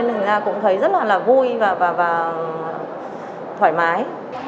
mình thấy rất là vui và thoải mái